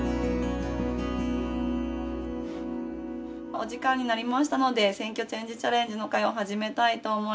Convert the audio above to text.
お時間になりましたので選挙チェンジチャレンジの会を始めたいと思います。